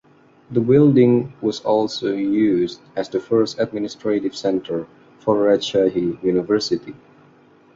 The building was also used as the first administrative center for Rajshahi University.